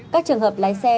các trường hợp lái xe